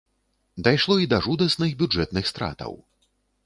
Дайшло і да жудасных бюджэтных стратаў.